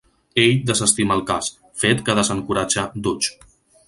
Ell desestima el cas, fet que desencoratja Dutch.